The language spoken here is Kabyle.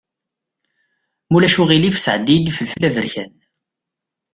Ma ulac aɣilif sɛeddi-yi-d ifelfel aberkan.